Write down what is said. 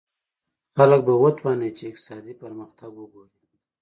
خلک به وتوانېږي چې اقتصادي پرمختګ وګوري.